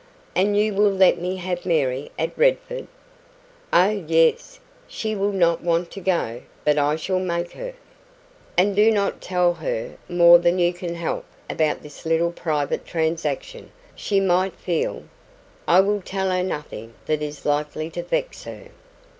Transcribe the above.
"And you will let me have Mary at Redford?" "Oh, yes! She will not want to go, but I shall make her." "And do not tell her more than you can help about this little private transaction. She might feel " "I will tell her nothing that is likely to vex her."